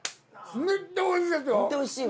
めっちゃおいしいですよ！